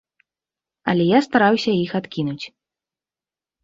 Але я стараўся іх адкінуць.